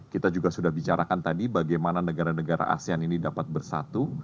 kita juga sudah bicarakan tadi bagaimana negara negara asean ini dapat bersatu